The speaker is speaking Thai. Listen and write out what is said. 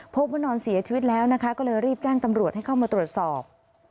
พบว่านอนเสียชีวิตแล้วนะคะก็เลยรีบแจ้งตำรวจให้เข้ามาตรวจสอบ